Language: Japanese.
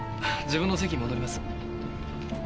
自分の席戻ります。